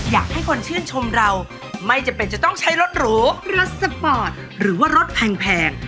อยากให้คนชื่นชมเราไม่จำเป็นจะต้องใช้รถหรูรถสปอร์ตหรือว่ารถแพง